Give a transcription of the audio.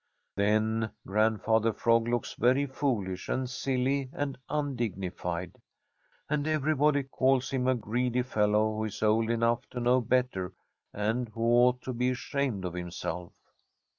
Then Grandfather Frog looks very foolish and silly and undignified, and everybody calls him a greedy fellow who is old enough to know better and who ought to be ashamed of himself.